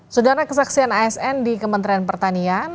sudara kesaksian asn di kementerian pertanian